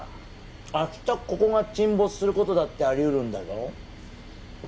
明日ここが沈没することだってありうるんだぞ